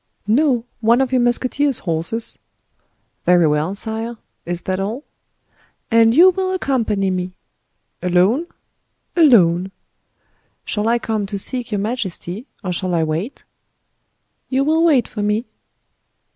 "No; one of your musketeers' horses." "Very well, sire. Is that all?" "And you will accompany me." "Alone?" "Alone." "Shall I come to seek your majesty, or shall I wait?" "You will wait for me."